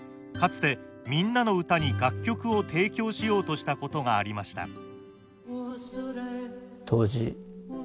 かつて「みんなのうた」に楽曲を提供しようとしたことがありました。